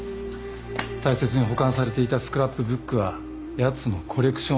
大切に保管されていたスクラップブックはやつのコレクション。